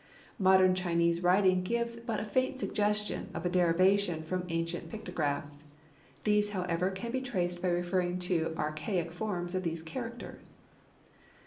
Modern Chinese writing gives but a faint suggestion of a derivation from ancient pictographs. These, however, can be traced by referring to archaic forms of these characters.